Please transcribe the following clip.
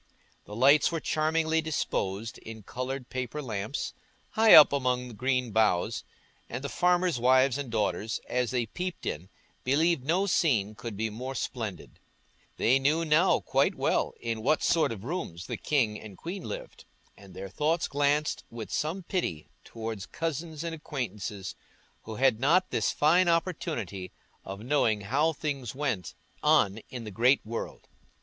The lights were charmingly disposed in coloured paper lamps, high up among green boughs, and the farmers' wives and daughters, as they peeped in, believed no scene could be more splendid; they knew now quite well in what sort of rooms the king and queen lived, and their thoughts glanced with some pity towards cousins and acquaintances who had not this fine opportunity of knowing how things went on in the great world.